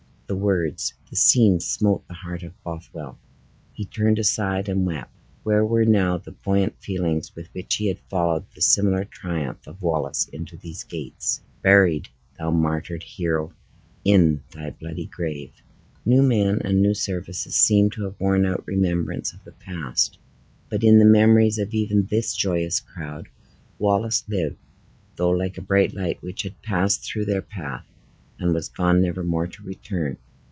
The words, the scene, smote the heart of Bothwell; he turned aside and wept. Where were now the buoyant feelings with which he had followed the similar triumph of Wallace into these gates? "Buried, thou martyred hero, in thy bloody grave!" New men and new services seemed to have worn out remembrance of the past; but in the memories of even this joyous crowd, Wallace lived, though like a bright light which had passed through their path, and was gone never more to return.